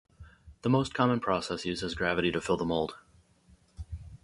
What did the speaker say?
The most common process uses gravity to fill the mold.